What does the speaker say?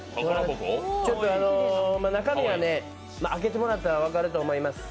中身は開けてもらったら分かると思います。